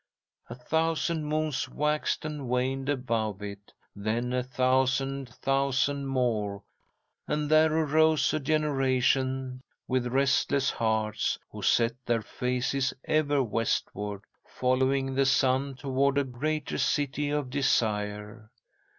"'A thousand moons waxed and waned above it, then a thousand, thousand more, and there arose a generation with restless hearts, who set their faces ever westward, following the sun toward a greater City of Desire.